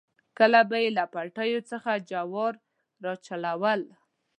کله به یې له پټیو څخه جوار راچلول.